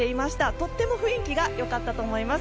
とっても雰囲気がよかったと思います。